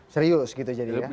serius gitu jadi ya